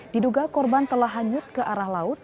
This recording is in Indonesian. diduga korban telah hanyut ke arah laut